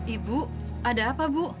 ibu ada apa bu